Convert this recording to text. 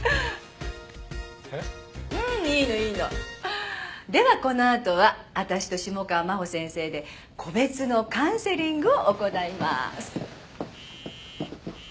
ううんいいのいいの。ではこのあとは私と下川真帆先生で個別のカウンセリングを行います。